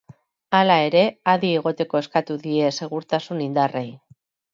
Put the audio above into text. Hala ere, adi egoteko eskatu die segurtasun-indarrei.